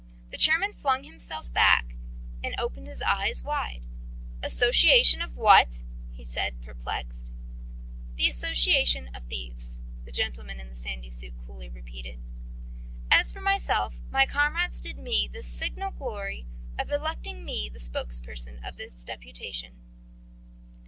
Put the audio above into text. The chairman flung himself back and opened his eyes wide. "Association of what?" he said, perplexed. "The Association of Thieves," the gentleman in the sandy suit coolly repeated. "As for myself, my comrades did me the signal honour of electing me as the spokesman of the deputation."